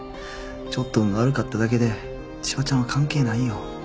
ちょっと運悪かっただけで千葉ちゃんは関係ないよ。